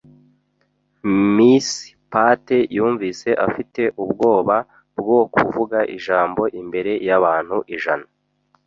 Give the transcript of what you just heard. Miss Pate yumvise afite ubwoba bwo kuvuga ijambo imbere yabantu ijana.